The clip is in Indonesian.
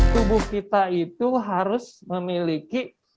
tubuh kita itu harus memiliki